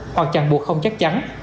hoặc chẳng buộc không chắc chắn